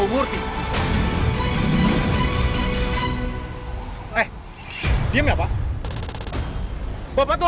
gue peringatin sama lo sekarang